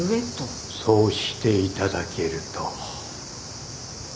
そうしていただけると。